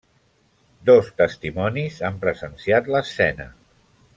Dos testimonis han presenciat l'escena.